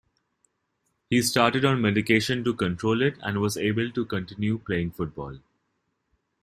He started on medication to control it and was able to continue playing football.